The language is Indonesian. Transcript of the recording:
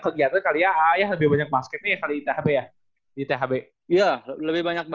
kali ya lebih banyak basket